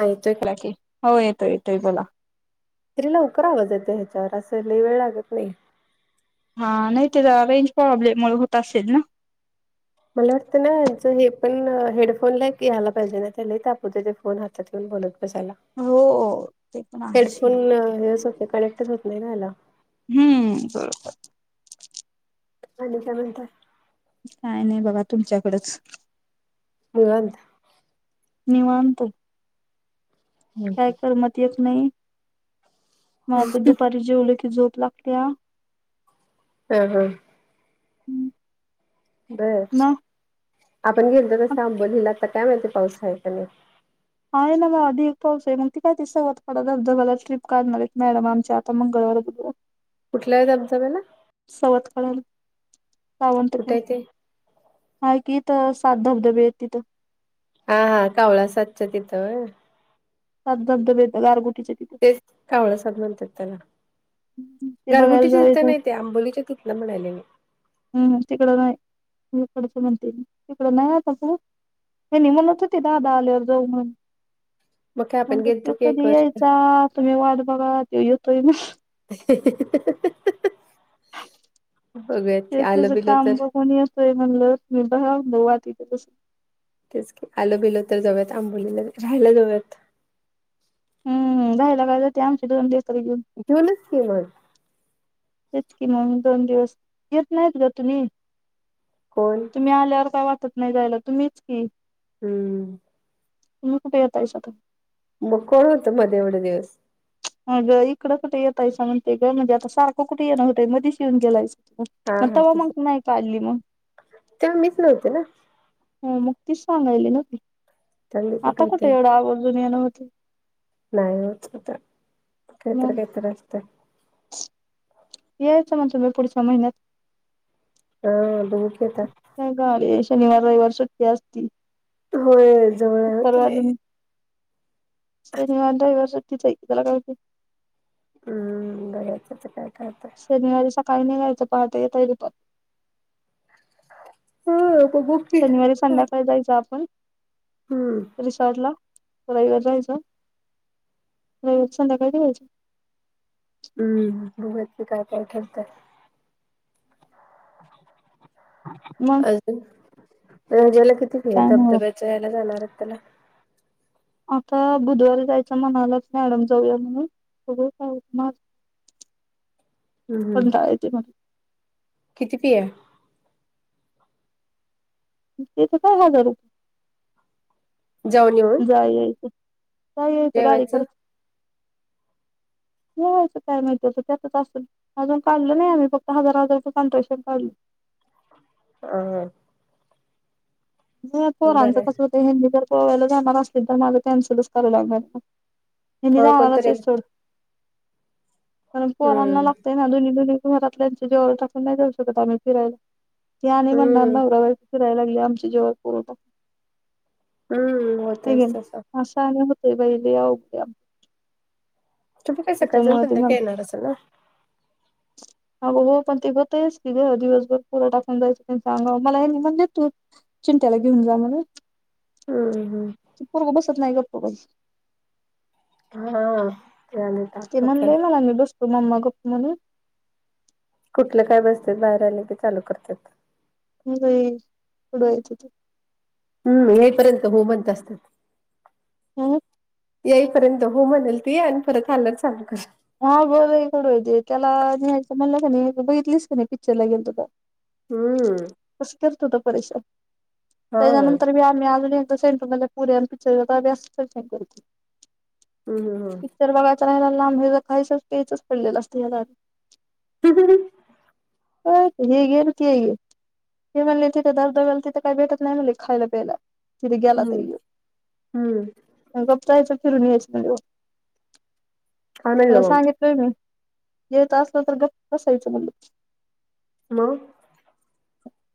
ऐकतोय का हो, येतो येतोय बोला तरी लवकर आवाज येतो ह्याच्यावर असं लई वेळ लागत नाही,, हा नाही ते रेंज प्रॉब्लेम मुळे होत असेल ना,, मला वाटतं, ना यांच हे पण हेडफोनला यायला पाहिजे ना नाहीतर, लय ताप होतंय ना ते फोनच त्यात पण बोलत बसायला हो ते पण आहे सोडा हेडफोन हे सकाळी त्याच्यात नाही राहिला हम्म बरोबर आणि काय म्हणताय- काय नाही बाबा तुमच्याकडचं निवांत,, निवांत आहे काय करू मग येत नाही, माला तर दुपारी जेवलं की झोप लागत्या हा हा हम् होय, आपण गेल तसं आंबोलीला आता काय माहीती पाऊस हायका नाही आहे ना मग, आधी एक पाऊस आहे मग ती काय सवत पाडा धबधब्यालाच ट्रीप काढणार आहे मॅडम आमच्या आता मंगळवार बुधवार कुठल्या धबधब्याला,, सवत पाड्याला सावंत कुठे कड आहे ते आहे की तीथ सात धबधबे आहेत तिथं,, हा हा कावळा साचच्यां तिथं व्हय सात धबधबे गारगुटीचे तिथं कावळसाब म्हणतात त्याला ते बघायला गारगुटीच्या तिथं जायचंय नाही ते आंबोलीच्या तीथं,, ला म्हणायले. हम् तिकडं नाय तू हिकडच म्हणते मी तिकड नाय हेनी म्हणत होते दादा आल्यावर जाऊ म्हण. मग काय आपण म्हणल त्यो गेलतो की एक कधी वर्ष यायचा तुम्ही वाट बघात त्यो येतोय म [unintelligible] [unintelligible] ते त्याज बिलं तर काम बघुन येतोय म्हणलं तुमी बघा म्हणल वाट इथं बसुुन. तेच की आलं गेल तर जाऊयात आंबोलीला राहायला जाऊयात. हम्म राहिला काय जाते आमचे दोन लेकरं घेऊन. घेउनच की मग. तेच कि मग दोन दिवस, येत नायत ग तुम्ही. कोण? तुम्ही आल्यावर काय वाटत नाय जायला तुम्हीच की. हम्म. तुम्ही कुठ येतायसा आता? मग कोण होतं मध्ये एवढ्या दिवस? आग इकडं कुठ यतायसा म्हणते गं म्हणजे आता सारखं कुठ येण होतं मधीच येउन गेलाय हा मग हा तेव्हा तस मग नाय का आली मग? तेव्हा मीच नव्हते ना. हम्म, मग तीच सांगायली नव ती तेव्हा मी कुठे आता कुठ होते एवढ आवर्जून येन होतय. नाय होत आता कायतर मग कायतर असतय. यायचं म्हनतो मी पुढच्या महिन्यात. हां बघू की आता. हाय गाडी शनिवार रविवार सुट्टी असती. होय जवळ हाय व तुम्ही. शुक्रवारी शनिवार रविवार सुट्टीच हाय की त्याला काय हुतय? हम्म, बघायचं आता काय काय आता. शनिवारी सकाळी निघायचं पहाटे येताय दुपा हा बघू. की शनिवारी संध्याकाळी जायच आपण. हम्म. रिसॉर्टला रविवारी राहायचं रविवारी संध्याकाळी निघायचं. हम्म, बघुयात की काय काय ठरतंय. [inaudible] मग? रंज्याला किती फी आय काय नाही होत धबधब्याचा ह्याला जाणार हायत त्याला? आता बुधवारी जायचं म्हणाल्यात मॅडम जाऊया म्हणून बघू काय होतय माझं. [inaudible] कंटाळा येतोय मला. किती फी आय? फी च काय हजार रुप जाऊन येऊन? जाया यायचं जाया यायचं गाडी जेवायचं खर्च. [inaudible] जेवायचं काय माहिती आता त्यातच असल. अजून काढंलो नाही आम्ही, फक्त हजार-हजार रुपये कांट्रेशन काढलं. अं. मग पोरांचं बरं कसं होतय हेंनी जर गोव्याला जाणार असतील तर माझं कॅन्सलच कराव लागणार. हेंनी हो जाणारच कोणतरी हे सोड. [inaudible] पण पोरानला हम्म लागतय या दोन्ही-दोन्ही घरातल्यांच्या जीवावर टाकून नाही जाऊ शकत आम्ही फिरायला. ते आणि म्हणनार हम्म नवरा-बायको फिरायला लागलीया आमचे जीवावर पोर टाकून, हम्म होतच तसं [inaudible] असं आणि वेगळे-वेगळे आहेत का? तुम्ही काय सकाळ जाऊन ते मला संध्याकाळी येणार असेल ना? आवो हो पण ती होतचं की गं दिवसभर पोर टाकून जायचं तेंच्या अंगावर मला हेंनी म्हणलेत तु चिंंट्याला घेऊन जा म्हणून, हम्म हम्म ते पोरगं बसत नाही गप्प बाई. हा. आणि ताप ते डोक्याला म्हणलंय मला मी बसतो मम्मा गप्प म्हणे. कुठले काय बसत्यात बाहेर आलं की चालू करत्यात. लई कडू होत ते. हम्म. हे पर्यंत हो म्हणत असत्यात. अं. येई- पर्यंत हो म्हणेल ती आणि परत आल्यावर चालू करेल. हा गं बई कडू होते, त्याला न्ह्यायच म्हणलं क-नि बघितलीस कि नि पिक्चरला गेलतो तवा. हम्म कसं करतो तो परेश, हा त्याच्यानंतर बी आम्ही अजून कसं हे ना तुम्हाला पोरी अन् पिक्चर अभ्यास काय करीती. हम्म हम्म हं. [unintelligible] लहान मुलं खायचच, पेयचंच पडलेलं असतं याला. टिबुली हे [unintelligible] घेल कि, हे म्हणले तिथे धबधब्याला तिथे काही भेटत नाही म्हणले खायला, प्यायला. तिथं गेला हम्म तरी यो, हम्म गप्प जायचं फिरून यायच म्हणल. काय हो म्हणलं मग सांगितलय मी, येत असलं तर गप्प बसायचं म्हणलं. हॅलो.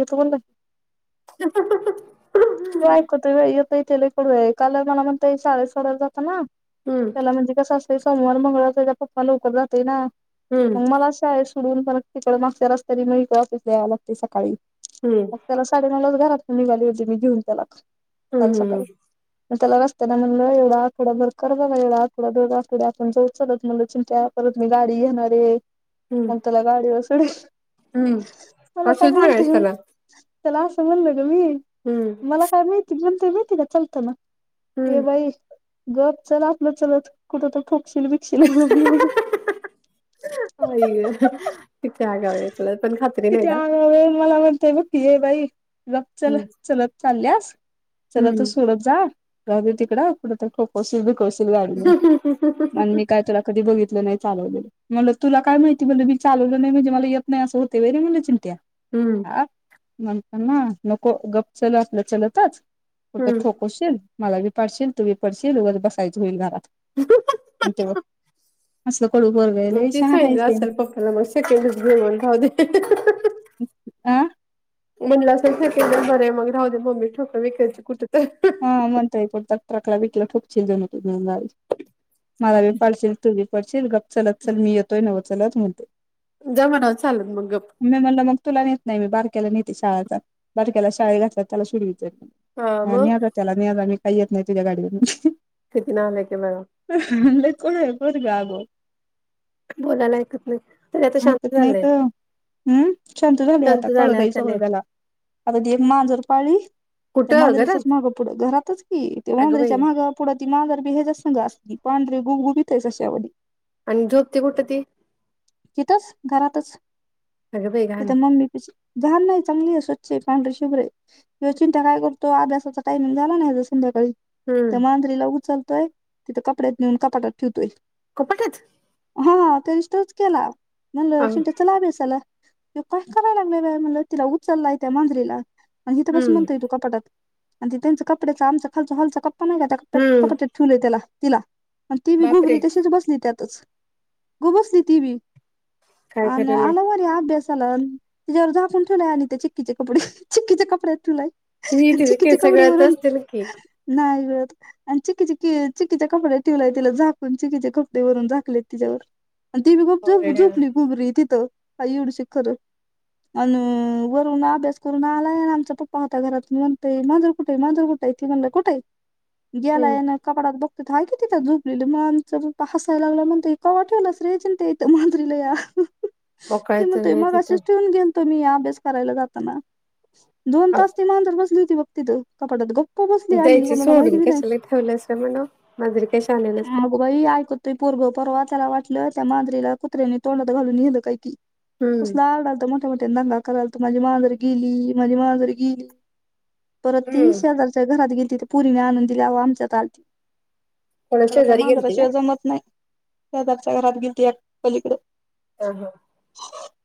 येतो म्हणले. [unintelligible] त्यो हम्म ऐकतो व्हय, येतय ते लय कडू हाय, काल मला म्हनतोय शाळेत सोडायला जातांना त्याला म्हणजे कसं असतय सोमवार, मंगळवार त्याचा पप्पा लवकर जातोय ना हम्म मग मला शाळेत सोडून परत तिकडे मागच्या रस्त्यांनी मग इकड ऑफिस यावं लागत सकाळी. ह्म. मग त्याला साडे-नऊलाच घरातून निघाली होतीे मी घेऊन त्याला, काल हम्म सकाळी. मग त्याला रस्त्यानं म्हणलं एवढा आठवडाभर कर बाबा, एवढा आठवडा, दोन आठवडा आपण जाऊ चलत म्हणलं चिंता परत मी गाडी घेणार आहे, हम्म मग त्याला गाडीवर सोडीन. हम्म मला कशी काय सांगायच म्हणतंय, त्याला त्याला असं म्हणलं ग मी. ह्म. मला काय माहिती म्हणतोय माहितीय का चलताना, ये हम्म बाई गप चल आपलं चलत, कुठं तरी ठोकशील-बिकशील मला नेऊन. आई. तितका आगाव आहे, तेला पण खात्री नाही ना? [unintelligible] म्हणतोय बघ. ये बाई गप चल चलत चालल्यास त्याला तर हम्म सोडत जा. जाऊदे तिकडं, कुठं तरी ठोकवशील-बीकवशील गाडीनं आणि मी काय तुला कधी बघितलं नाही चालवलेलं. म्हणलं तुला काय माहिती म्हणलं मी चालवलं नाही म्हणजे मला येत नाही असं होतंय होय रे म्हणलं चिंट्या. हम्म. म्हणतान नको गप्प चल आपलं चलतचं कुठं तर ठोक वशील मला बी पाडशील तू बी पडशील उगंच बसायचं होईल घरात अन् ते असलं कडू पोरगं हाय. तीच आहे गं आजकाल [unintelligible] जेवण राहुदे. आ. म्हटलं असेल सेकेंडहॅंड बरी आहे मग राहुदे मम्मी ठोका बिकायची कुठं तर. हा म्हणतोय कुठंतर ट्रकला बिकला ठोकचील जणू तु घेऊन गाडीच. मला बी पाडशील तू बी पडशील गप चलत चल मी येतोय नव्हं चलत म्हणतोय. जा म्हणावं चालत मग गप्प. मी म्हणलं मग तुला नेत नाही मी, बारक्याला नेते शाळाचा बारक्याला शाळे घातला त्याला सोडवित जाईन. हा न्या जा त्याला न्या जा, मी काही येत नाही तुझ्या गाडीवरनं. किती नालायक आहे बघा. लय खुळं आहे पोरगं अगं. बोलायला ऐकत नाहीत. ऐकत नाहीतं हम् शांत झालयं आता झालंय कळतंय आता लय सगळ त्याला. अता ती एक मांजर पाळली. त्या कुठं मांजरीच्याच घरात मागं पुढं, घरातच की ते अगं बाई मांजरीच्या मागं पुढं ती मांजर बी हेच्याचसंग असती पांढरी गुबगुबीत आहे सश्यावाणी. आणि झोपते कुठं ती? तिथंच घरातच अगं बाई घाण तिथं मम्मी- घाण नाही चांगली आहे स्वच्छ आहे पांढरी शुभ्र आहे. ह्यो चिंट्या काय करतो आभ्यासाचा टायमिंग झाला ना हेचा संध्याकाळी त्या हम्म मांजरीला उचलतोय तिथे कपड्यात नेऊन कपाटात ठेवतोय. कपाटात. हा त्यांनी तरच केला म्हणलंण अं, सनत्या चल अभ्यासाला. काय कराय लागय बाय म्हण तिला उचललाय त्या मांजरीला अन् इथं बस हम्म म्हणत तू कपाटात. आणि त त्यांच कपड्याचा आमचा खालचा हॉलचा कप्पा नाही का त्या हम्म कपाट्यात ठेवलंय त्याला तिला. आणि ती बी बापरे गोबरी तशीच बसली त्यातच गप्प बसली ती बी. काय आन खरं नाही आला वरी अभ्यास- तीच्यावर झाकून ठेवलाय आणि, ते चिक्कीच्या कपडे चिक्कीच्या कपड्यात ठेवलाय. इ आणि तेची चिक्कीच्या केसं गळत कपड्यावरून असतील की. नाही गळत. आणि चिक्कीची चिक्की चिक्कीच्या कपड्यात ठेवलंय तिला झाकून, चिक्कीचे कपडे वरून झाकलेत तिच्यावर. आणि ती बी गप्प गप्प बावळड्या. झोपली गुबरी तिथं, आहे एवढीशी खरं. अन् वरून अभ्यास करून आलाय अन् आमचा पप्पा होता घरात, म्हणतोय मांजर कुठेय मांजर कुठंय? इथे म्हणलं कुठही ग्याला हम्म यांना कपडात बघते हाय की तिथ झुपलेल मण आमचं पप्पा हसाय लागलंव म्हणतूय कवा ठेवलंस. - [unintelligible] -मांजरीला या मोकळा ते तर म्हणतोय नाही तिथं मगाशीच ठेवून घेलतो. तुम्ही अभ्यास करायला जाताना. दोन तास ती मांजर बसली होती बघ तिथं कपाटात गप्प. बसली आणि द्यायची कोणाला माहिती सोडून बी नाही कशाला ठेवलायसा म्हणाव मांजरी काय शान्या नसते. बाई ऐकतोय पोरगं परवा त्याला वाटलं त्या मांजरीला कुत्र्याने तोडत घालून नेलं काही की हम्म कसला आरडालता मोठे मोठे दंगात- करालत. माझी मांजर गेली माझी मांजर गेली परत ती हम्म शेजार तिच्या घरात गेलती तर पोरिणी आणून दिली आव आमच्यात आलती. कोणा त्याला त्या शेजारी गेलती का मांजराशिवाय जमत नाही. शेजारच्या घरात गेलती या पलीकडं, [unintelligible]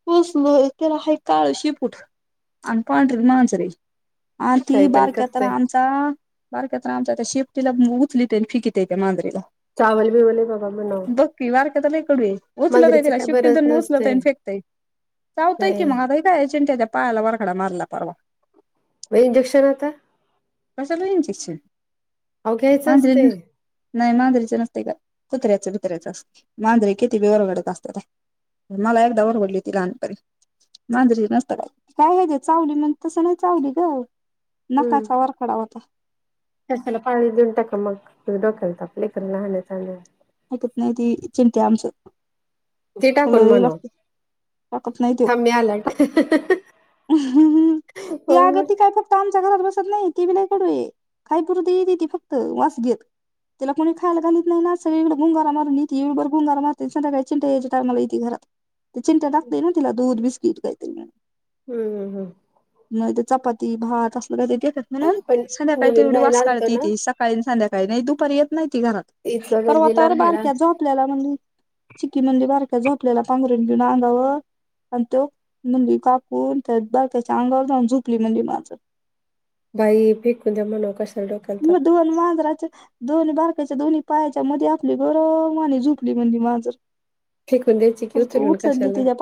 पोसल त्याला आहे काळ शेपूट आणि पांढरी मांजर हे. आ ती काही पण बारक्या तर करते आम बारक्या तर आमचा त्या शेपटिला उचलितय आणि फिकितय त्या मांजरीेला. चावल बिवल अ बाबा म्हणाव. बारक्या तर लय कडु उचलतय मांजरीचं तिला काय बरंच शेपटीला नसतंय उचलतय फेकतय चावताय की नाही मग आ, चिंट्याच्या पायाला वरखडा मारला परवा. मग इंजेक्शन आता. कशाला इंजेक्शन अहो घ्यायचं मांजरीला असते नसते. नाही मांजरीचे नसतय काय कुत्र्याचं बितर्याच असत. मांजरे किती बि वरबडत असतेच मला एकदा ओरबडली होती लहानपणी. मांजरीे नसत काय काय ह ते चावली म्हण तसं नाही चावली ग, नखाचा वरखडा होता. ज्याचं त्याला पाळीव देऊन टाका मग डोक्याला ताप लेकर लहान शहाण. ऐकत नाही की चिंट्या आमचं. दे त्याला टाकून लय म्हणव लागते टाकत थांब मी आल्या टा, ह्मम त्या अगती काय फक्त, आता आमच्या घरात बसत नाही ती बी लय कडू काही करुदी येत ती फक्त वास घेत. त्याला कोणी खायला घालीत नाही ना सगळीकडे गुंगार मारून येते इळबर गुंगारा मारते संध्याकाळी चिंट्या यायच्या टायमाला येते घरात. ते चिंट्या टाकतेय ना तिला दूध बिस्किट कायतरी नेऊन - हम् हम हम! मग ते चपाती भात असलं काय तरी देतात म्हणून पण संध्याकाळी नवीन तेवढी राहायला वास आलतो काढत ना येते संध्याकाळी नाही दुपारी येत नाही त घरात परवा इचलकरंजीला तर राहायला बारक्या झोपलेला म्हणलि, चिक्की म्हणली बारक्या झोपल्याला पांघरून घेऊन अंगावर आणि तो म्हणली काक, बारक्याच्या अंगावर जाऊन झोपली म्हणली मांजर. बाई फेकून द्या मनाव कशाला डोक्याला ताप. दोन मांजराच्या, दोन बारकायच्या दोन्ही पायाच्या मध्ये आपली गरम वाणि झोपली म्हणलि मांजर, फेकून द्यायची की तर तू उचलून उचलली कशाला तिच्या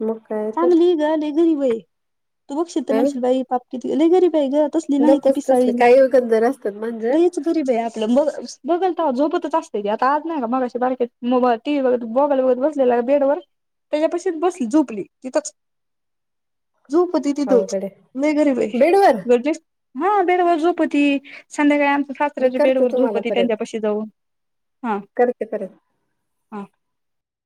मग, काय तर चांगलीय ग लय गरीब आहे तू बघ शील तर हा म्हणशील बाई पाप लय गरीब आहे ग, तसली नाही ती नकोच तसले पिसाळीली काही गंजर असतात मांजर लयच गरीब हे ग, आपलं ब बघल तेव्हा झोपतच असते की, आता आज नाही का मगाशी बारकी टीव्ही बघत मोबाईल बघत बसल. बेड वर त्याच्यापशी बसली झोप. झोपली तिथंच, झोपती तिथंच अवघड आहे लय गरीबय. बेडवर हा बेडवर झोपती. संध्याकाळी आमच्या मी सासऱ्याच्या करते बेडवर तुम्हाला झोपती त्यांच्यापाशी जाऊन हा. घे परत. हा